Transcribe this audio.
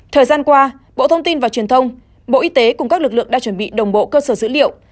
thời gian qua bộ thông tin và truyền thông bộ y tế cùng các lực lượng đã chuẩn bị đồng bộ cơ sở dữ liệu